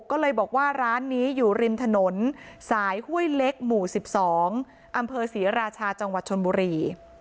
ก็เลยบอกว่าร้านนี้อยู่ริมถนนสายห้วยเล็กหมู่๑๒อำเภอศรีราชาจังหวัดชนบุรี